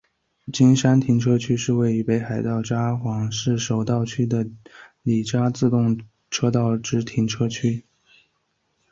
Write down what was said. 金山停车区是位于北海道札幌市手稻区的札樽自动车道之停车区。